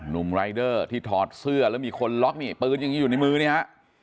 ุ่มรายเดอร์ที่ถอดเสื้อแล้วมีคนล็อกนี่ปืนอย่างนี้อยู่ในมือเนี่ยฮะ